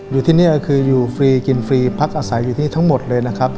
อยู่ที่นี่ก็คืออยู่ฟรีกินฟรีพักอาศัยอยู่ที่นี่ทั้งหมดเลยนะครับ